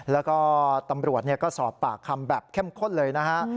แล้วก็ตำรวจก็สอบปากคำแบบเข้มข้นเลยนะฮะ